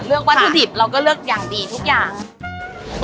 เลือกวัตถุดิบแล้วก็เลือกอย่างดีทุกอย่าง